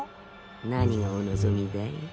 何をお望みだい？